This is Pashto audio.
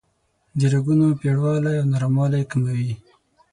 د رګونو پیړوالی او نرموالی کموي.